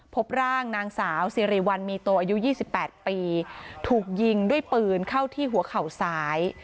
พบร่างนางสาวซีรีย์วันมีโตอายุยี่สิบแปดปีถูกยิงด้วยปืนเข้าที่หัวเข่าซ้าย